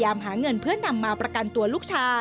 ทำไมเราต้องเป็นแบบเสียเงินอะไรขนาดนี้เวรกรรมอะไรนักหนา